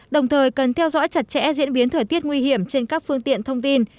đồng thời cần theo dõi chặt chẽ diễn biến thời tiết nguy hiểm trên các phương tiện thông tin